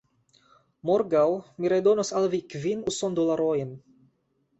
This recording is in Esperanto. Morgaŭ mi redonos al vi kvin usondolarojn